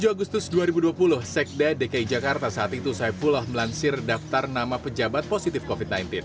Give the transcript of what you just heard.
tujuh agustus dua ribu dua puluh sekda dki jakarta saat itu saifullah melansir daftar nama pejabat positif covid sembilan belas